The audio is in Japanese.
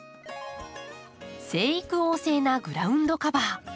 生育旺盛なグラウンドカバー。